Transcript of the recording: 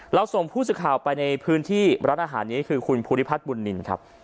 ส่งผู้สื่อข่าวไปในพื้นที่ร้านอาหารนี้คือคุณภูริพัฒน์บุญนินครับ